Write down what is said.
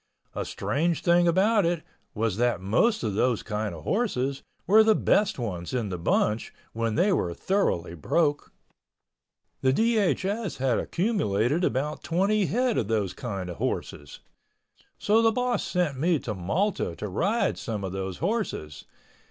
A strange thing about it was that most of those kind of horses were the best ones in the bunch when they were thoroughly broke. The DHS had accumulated about twenty head of those kind of horses. So the boss sent me to Malta to ride some of those horses.